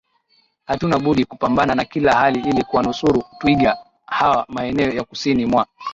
hatuna budi kupambana na kila hali ili kuwanusuru twiga hawa Maeneo ya kusini mwa